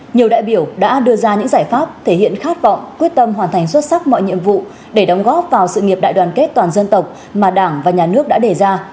nhiều đại biểu đã đưa ra những giải pháp thể hiện khát vọng quyết tâm hoàn thành xuất sắc mọi nhiệm vụ để đóng góp vào sự nghiệp đại đoàn kết toàn dân tộc mà đảng và nhà nước đã đề ra